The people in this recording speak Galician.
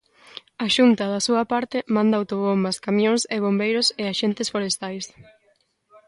A Xunta, da súa parte, manda autobombas, camións e bombeiros e axentes forestais.